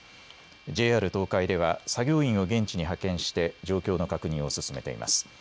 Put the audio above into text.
ＪＲ東海では作業員を現地に派遣して状況の確認を進めています。